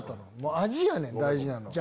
味やねん大事なのは。